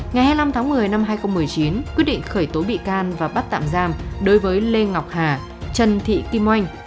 ngày hai mươi năm tháng một mươi năm hai nghìn một mươi chín quyết định khởi tố bị can và bắt tạm giam đối với lê ngọc hà trần thị kim oanh